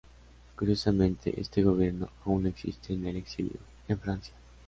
Curiosamente este gobierno aún existe en el exilio, en Francia.